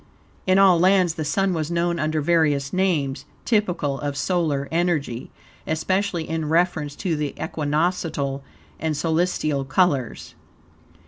In all lands the Sun was known under various names, typical of solar energy, especially in reference to the equinoctial and solstitial colures.